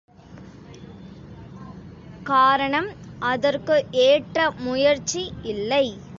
காரணம் அதற்கு ஏற்ற முயற்சி இல்லை.